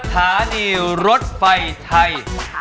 สถานีรถไฟไทย